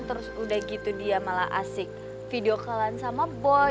terus udah gitu dia malah asik video kalan sama boy